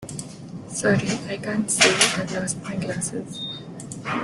Sorry, I can't see. I've lost my glasses